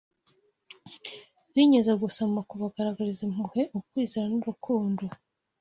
binyuze gusa mu kubagaragariza impuhwe, ukwizera n’urukundo